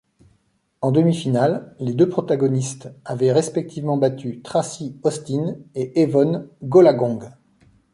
En demi-finale, les deux protagonistes avaient respectivement battu Tracy Austin et Evonne Goolagong.